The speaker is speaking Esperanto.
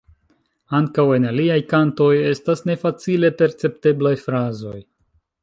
Ankaŭ en aliaj kantoj estas nefacile percepteblaj frazoj.